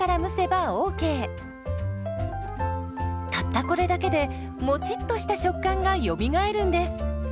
たったこれだけでもちっとした食感がよみがえるんです。